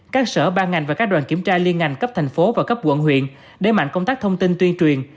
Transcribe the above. các sở ban ngành và các đoàn kiểm tra liên ngành cấp thành phố và cấp quận huyện đẩy mạnh công tác thông tin tuyên truyền